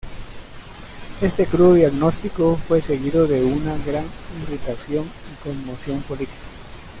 Este crudo diagnóstico fue seguido de una gran irritación y conmoción política.